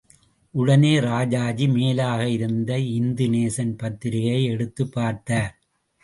உடனே ராஜாஜி மேலாக இருந்த இந்து நேசன் பத்திரிகையை எடுத்துப் பார்த்தார்.